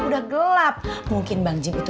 udah gelap mungkin bang jim itu